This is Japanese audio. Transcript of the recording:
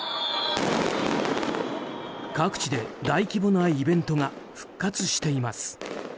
各地で大規模なイベントが復活しています。